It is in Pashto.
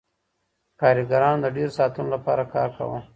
کارګرانو د ډیرو ساعتونو لپاره کار کاوه.